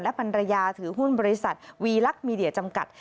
พันรยาถือหุ้นบริษัทวีลักษณ์มีเดียจำกัด